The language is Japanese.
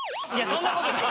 そんなことない。